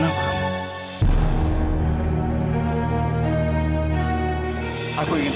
aku memang takkan makan disomin ini